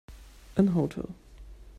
An hotel.